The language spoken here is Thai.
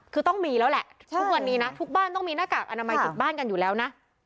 คือต้องมีแล้วแหละทุกวันนี้นะทุกบ้านต้องมีหน้ากากอนามัยติดบ้านกันอยู่แล้วนะ